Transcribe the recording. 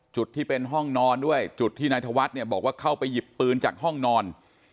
จุดที่เป็นห้องนอนด้วยจุดที่นายธวัฒน์เนี่ยบอกว่าเข้าไปหยิบปืนจากห้องนอน